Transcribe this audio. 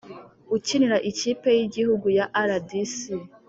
ukinira ikipe y’igihugu ya rdc,